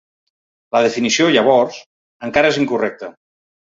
La definició, llavors, encara és incorrecta.